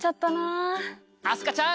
明日香ちゃん！